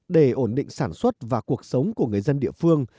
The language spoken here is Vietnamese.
để ổn định sản xuất và cuộc sống của người dân địa phương